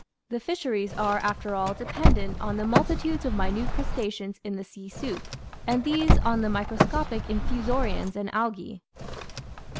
The fish eries are after all dependent on the multitudes of minute crusta ceans in the sea soup, and these on the microscopic Infusorians and Algaa.